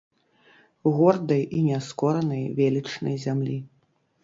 Гордай і няскоранай велічнай зямлі.